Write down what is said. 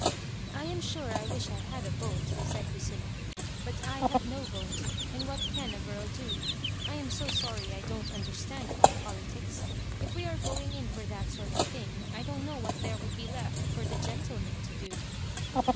I am sure I wish I had a vote/' said Lucilla p " but I have no vote, and what can a girl do ? I am so sorry I don't understand about politics. If we were going in for that sort of thing, I don't know what there would be left for the gentlemen to do."